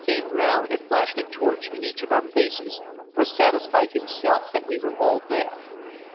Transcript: came round and flashed a torch in each of our faces or satisfied himself that we were all there.